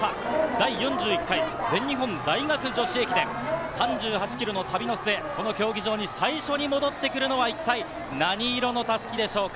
第４１回全日本大学女子駅伝、３８ｋｍの旅の末、ここの競技場に最初に戻ってくるのは一体、何色の襷でしょうか。